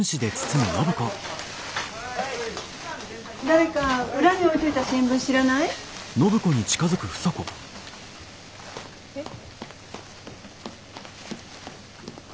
誰か裏に置いといた新聞知らない？えっ。